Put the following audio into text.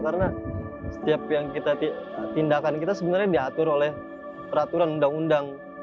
karena setiap yang kita tindakan kita sebenarnya diatur oleh peraturan undang undang